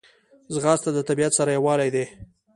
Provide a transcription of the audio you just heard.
ځغاسته د طبیعت سره یووالی دی